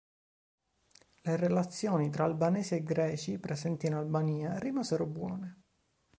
Le relazioni tra albanesi e greci presenti in Albania rimasero buone.